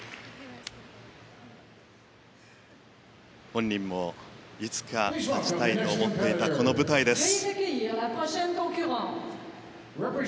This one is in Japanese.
本人もいつか立ちたいと思っていたこの舞台です。